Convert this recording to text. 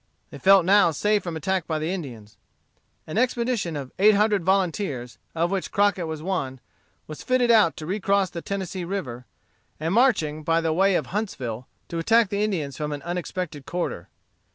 They felt now safe from attack by the Indians. An expedition of eight hundred volunteers, of which Crockett was one, was fitted out to recross the Tennessee River, and marching by the way of Huntsville, to attack the Indians from an unexpected quarter.